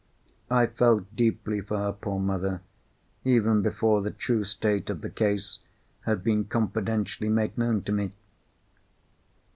I felt deeply for her poor mother, even before the true state of the case had been confidentially made known to me.